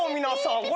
皆さん。